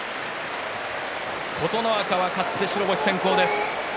琴ノ若は勝って白星先行です。